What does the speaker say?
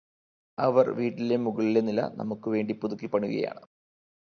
അവർ വീട്ടിലെ മുകളിലെ നില നമുക്ക് വേണ്ടി പുതുക്കിപ്പണിയുകയാണ്